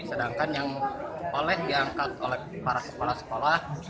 sedangkan yang oleh diangkat oleh para kepala sekolah